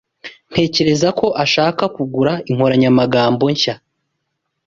Ntekereza ko ashaka kugura inkoranyamagambo nshya.